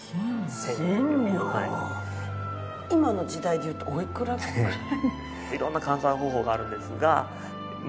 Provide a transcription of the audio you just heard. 今の時代でいうとおいくらぐらい？